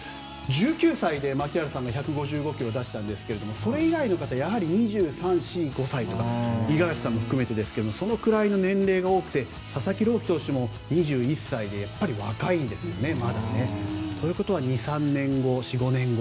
１９歳で槙原さんが１５５キロを出したんですけどそれ以来の方、２３２５歳とか五十嵐さんも含めてですがそのくらいの年齢の方が多くて佐々木朗希投手も２１歳で若いんですね、まだ。ということは２３年後とか４５年後？